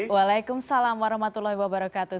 waalaikumsalam warahmatullahi wabarakatuh